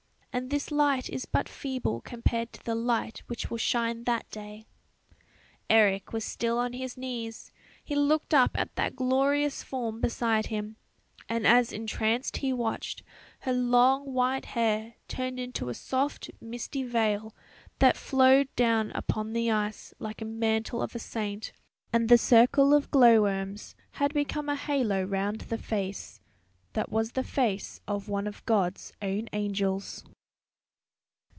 and this light is but feeble compared to the light which will shine that day." Eric was still on his knees; he looked up at that glorious form beside him, and as entranced he watched, her long white hair turned into a soft misty veil that flowed down upon the ice like the mantle of a saint, and the circle of glow worms had become a halo round the face, that was the face of one of God's own angels.